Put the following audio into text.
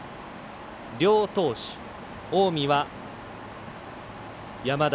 両投手、近江は山田。